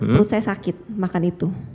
perut saya sakit makan itu